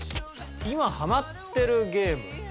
今ハマってるゲーム。